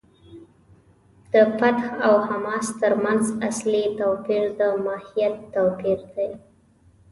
د فتح او حماس تر منځ اصلي توپیر د ماهیت توپیر دی.